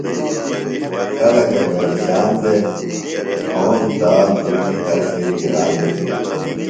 خلکہ پیرِشان دےۡ۔ گھوم دال رُجیۡ ہر شئی گران بِھلوۡ۔